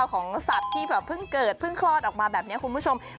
ของสัตว์ที่แบบเพิ่งเกิดเพิ่งคลอดออกมาแบบนี้คุณผู้ชม